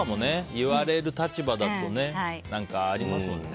言われる立場だとねありますもんね。